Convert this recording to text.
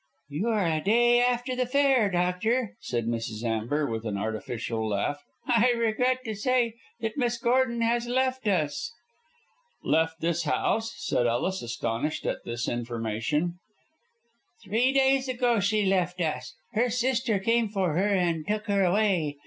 "You are a day after the fair, doctor," said Mrs. Amber, with an artificial laugh. "I regret to say that Miss Gordon has left us." "Left this house?" said Ellis, astonished at this information. "Three days ago she left us. Her sister came for her and took her away.